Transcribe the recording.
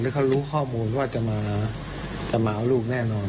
เขารู้ข้อมูลว่าจะมาเอาลูกแน่นอน